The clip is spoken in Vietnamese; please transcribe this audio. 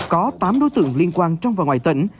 có tám đối tượng liên quan trong và ngoài tỉnh